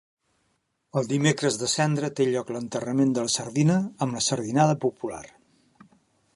El Dimecres de Cendra té lloc l'enterrament de la Sardina amb la Sardinada popular.